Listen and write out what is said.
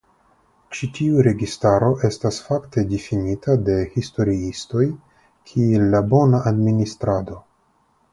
Ĉi tiu registaro estas fakte difinita de historiistoj kiel la "bona "administrado".